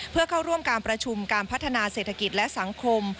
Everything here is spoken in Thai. เพื่อเข้าร่วมการประชุมการพัฒนาเศรษฐกิจและสังคม